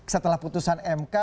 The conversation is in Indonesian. setelah putusan mk